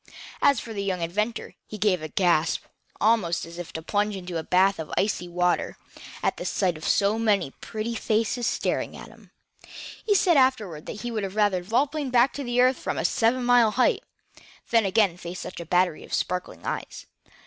As for the young inventor, he gave a gasp, almost as if he had plunged into a bath of icy water, at the sight of so many pretty faces staring at him. He said afterward that he would rather have vol planed back to earth from a seven mile height, than again face such a battery of sparkling eyes.